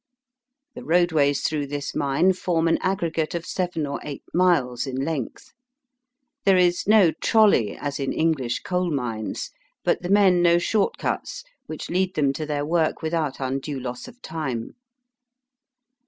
The roadways through this mine form an aggregate of seven or eight miles in length. There is no trolly as in Enghsh coal mines, but the men know short cuts, which lead them to their work without undue loss of time.